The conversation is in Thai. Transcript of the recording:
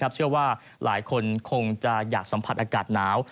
เชื่อว่าหลายคนคงจะอยากสัมผัสอากาศหนาว